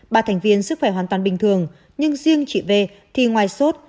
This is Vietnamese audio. ba thành viên sức khỏe hoàn toàn bình thường nhưng riêng chị v thì ngoài sốt